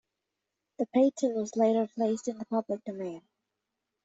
The patent was later placed in the public domain.